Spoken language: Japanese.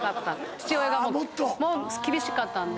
父親が厳しかったんで。